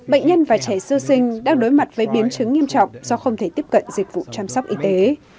bệnh nhân và trẻ sơ sinh đang đối mặt với biến chứng nghiêm trọng do không thể tiếp cận dịch vụ chăm sóc y tế